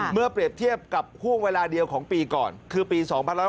เมื่อเปรียบเทียบกับห่วงเวลาเดียวของปีก่อนคือปี๒๕๖๒